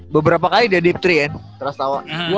beberapa kali dia deep tiga ya terasa tau